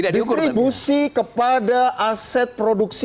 distribusi kepada aset produksi